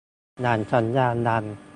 หลังสัญญาณดัง